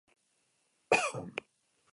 Esaten zioten, hots, talde liluragarria.